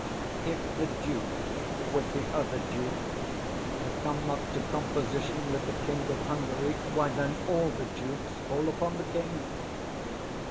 _ If the duke, with the other dukes, come not to composition with the King of Hungary, why then all the dukes fall upon the king.